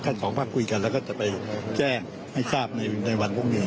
สองภาคคุยกันแล้วก็จะไปแจ้งให้ทราบในวันพรุ่งนี้